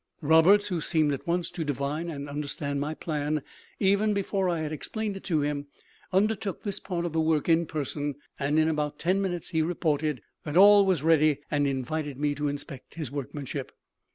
Roberts, who seemed at once to divine and understand my plan even before I had explained it to him, undertook this part of the work in person; and in about ten minutes he reported that all was ready, and invited me to inspect his workmanship.